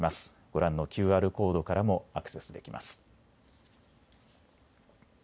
ご覧のＱＲコードからもアクセスできます。